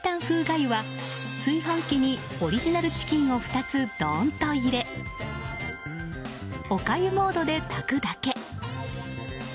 風がゆは炊飯器にオリジナルチキンを２つドンと入れおかゆモードで炊くだけ。